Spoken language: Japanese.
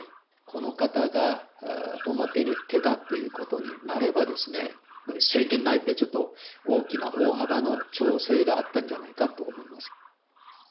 この方が表に出たということになればですね、政権内部でちょっと、大きな大幅な調整があったんじゃないかと思います。